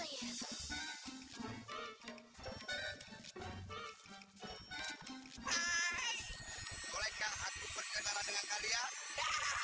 hai bolehkah aku bercerita dengan kalian